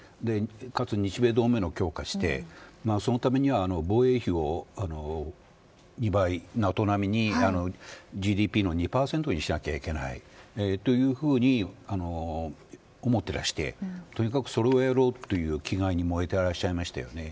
かつ日米同盟の強化をしてそのためには、防衛費を２倍ＮＡＴＯ並みにＧＤＰの２％にしなきゃいけないというふうに思っていらしてとにかくそれをやろうという気概に燃えていらっしゃいました。